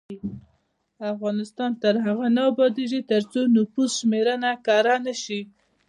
افغانستان تر هغو نه ابادیږي، ترڅو نفوس شمېرنه کره نشي.